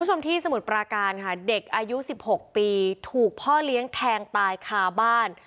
คุณผู้ชมที่สมุทรปราการค่ะเด็กอายุ๑๖ปีถูกพ่อเลี้ยงแทงตายคาบ้าน